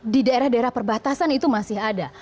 di daerah daerah perbatasan itu masih ada